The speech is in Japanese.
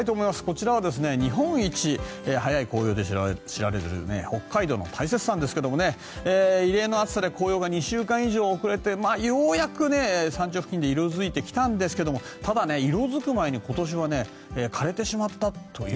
こちらは日本一早い紅葉で知られる北海道の大雪山ですが異例の暑さで紅葉が２週間以上遅れてようやく山頂付近で色付いてきたんですがただ色付く前に今年は枯れてしまったという。